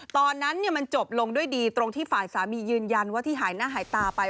ตอนนั้นมันจบลงด้วยดีตรงที่ฝ่ายสามียืนยันว่าที่หายหน้าหายตาไป